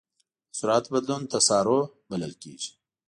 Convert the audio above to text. د سرعت بدلون تسارع بلل کېږي.